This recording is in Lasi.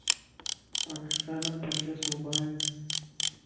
پاڪستان ءَ مَ پنج صوبا ائين